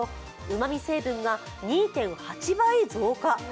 うまみ成分が２．８倍増加。